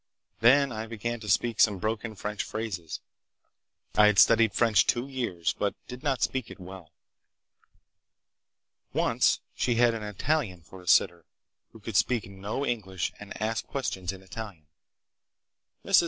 Then I began to speak some broken French phrases. I had studied French two years, but did not speak it well." Once she had an Italian for sitter, who could speak no English and asked questions in Italian. Mrs.